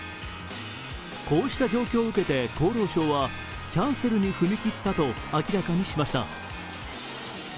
こうした状況を受けて厚労省はキャンセルに踏み切ったと明らかにしました。